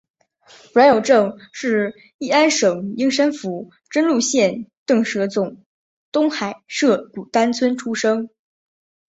阮有政是乂安省英山府真禄县邓舍总东海社古丹村出生。